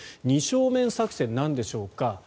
二正面作戦、なんでしょうか。